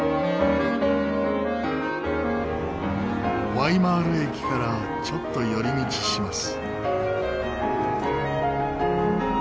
ワイマール駅からちょっと寄り道します。